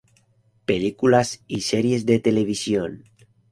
Películas y series de televisión